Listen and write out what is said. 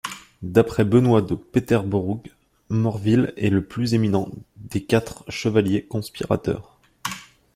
D'après Benoît de Peterborough, Morville est le plus éminent des quatre chevaliers conspirateurs.